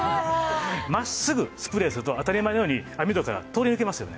真っすぐスプレーすると当たり前のように網戸から通り抜けますよね。